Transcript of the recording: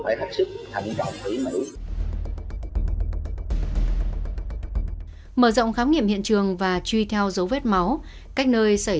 thì lực lượng khám nghiệm hiện trường tập trung khám nghiệm tỉ mỉ chi tiết